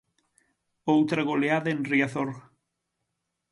Outra goleada en Riazor.